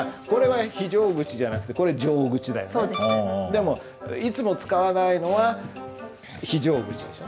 でもいつも使わないのは非常口でしょ？